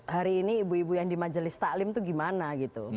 hari ini ibu ibu yang di majelis taklim tuh gimana gitu